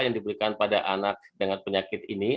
yang diberikan pada anak dengan penyakit ini